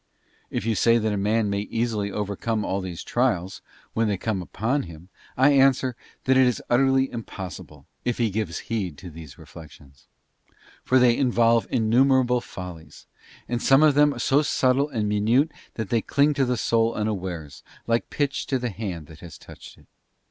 If you say that a man may easily overcome all these trials, when they come upon him, I answer, that it is utterly im possible, if he gives heed to these reflections; for they involve innumerable follies, and some of them so subtle and minute that they cling to the soul unawares, like pitch to the hand that has touched it.